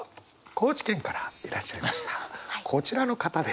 高知県からいらっしゃいましたこちらの方です。